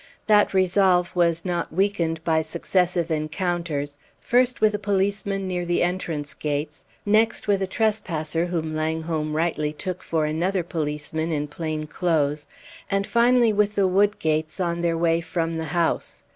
That resolve was not weakened by successive encounters, first with a policeman near the entrance gates, next with a trespasser whom Langholm rightly took for another policeman in plain clothes, and finally with the Woodgates on their way from the house.